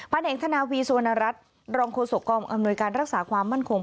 พันธุ์แห่งทนาวีสวนรัฐรองโคศกรรมอำนวยการรักษาความมั่นคง